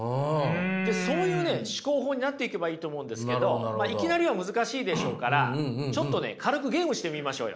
そういう思考法になっていけばいいと思うんですけどいきなりは難しいでしょうからちょっと軽くゲームしてみましょうよ。